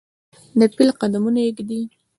دپیل قدمونه ایږدي